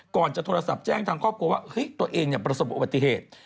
ก่อนจะโทรศัพท์แจ้งทางครอบครัวว่าเฮ้ยตัวเองประสบอุบัติเหตุ